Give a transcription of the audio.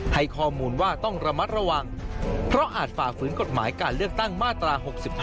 ให้ข้อมูลว่าต้องระมัดระวังเพราะอาจฝ่าฝืนกฎหมายการเลือกตั้งมาตรา๖๕